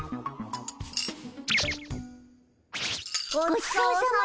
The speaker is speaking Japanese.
ごちそうさま。